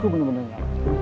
gue bener bener nanya